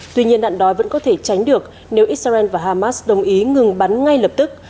tuy nhiên nạn đói vẫn có thể tránh được nếu israel và hamas đồng ý ngừng bắn ngay lập tức